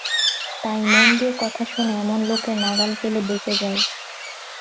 তাই মন দিয়ে কথা শোনে এমন লোকের নাগাল পেলে বেঁচে যাই।